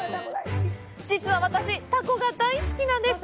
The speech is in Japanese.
実は、私、たこが大好きなんです！